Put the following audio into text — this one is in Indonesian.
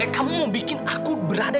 kamu mau bikin aku berada